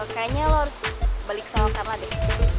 kayaknya lo harus balik sama carla deh